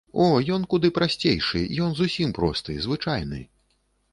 О, ён куды прасцейшы, ён зусім просты, звычайны.